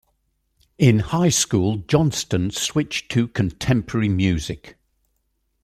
In high school, Johnston switched to contemporary music.